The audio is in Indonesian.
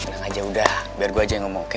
udah udah biar gue aja yang ngomong oke